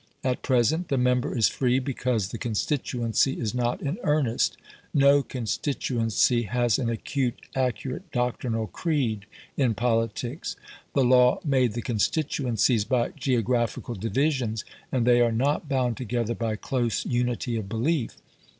At present the member is free because the constituency is not in earnest; no constituency has an acute, accurate doctrinal creed in politics. The law made the constituencies by geographical divisions; and they are not bound together by close unity of belief.